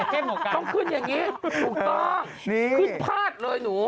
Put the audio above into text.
ต้องขึ้นอย่างนี้ถูกต้องขึ้นพาดเลยหนู